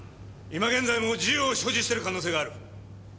今現在も銃を所持してる可能性がある。